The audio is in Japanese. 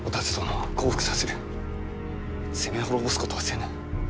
攻め滅ぼすことはせぬ。